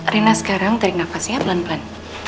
rena sekarang tarik nafasnya pelan pelan